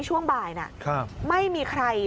ช่วงบ่ายนะไม่มีใคร